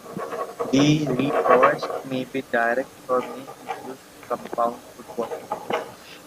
The riposte may be direct, or may include compound footwork.